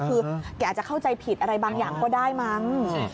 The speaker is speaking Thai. คือแกอาจจะเข้าใจผิดอะไรบางอย่างก็ได้มั้ง